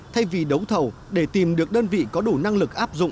thay vì đấu thầu để tìm được đơn vị có đủ năng lực áp dụng